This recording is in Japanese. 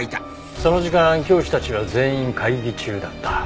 その時間教師たちは全員会議中だった。